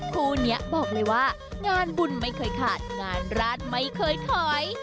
คู่นี้บอกเลยว่างานบุญไม่เคยขาดงานราชไม่เคยถอย